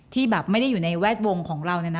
ที่แบบไม่ได้อยู่ในแวดวงของเรา